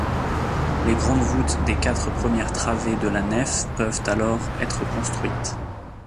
Les grandes voûtes des quatre premières travées de la nef peuvent alors être construites.